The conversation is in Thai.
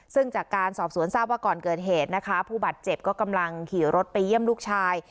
ซึ่งจากการสอบสวนทราบว่าก่อนเกิดเหตุนะคะผู้บาดเจ็บก็กำลังขี่รถไปเยี่ยมลูกชาย